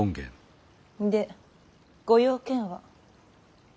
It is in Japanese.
でご用件は。